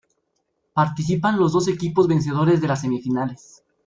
Participan los dos equipos vencedores de las semifinales.